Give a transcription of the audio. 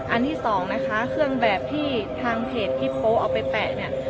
อันที่สองนะคะเครื่องแบบที่ทางเพจที่โป๊เอาไปแปะเนี่ย